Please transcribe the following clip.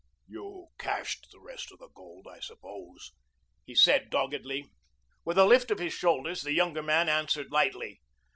"You cached the rest of the gold, I suppose," he said doggedly. With a lift of his shoulders the younger man answered lightly.